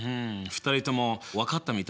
２人とも分かったみたいだな。